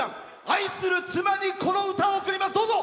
愛する妻に、この歌を贈ります。